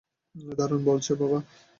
দারুণ বলেছ, বাবা।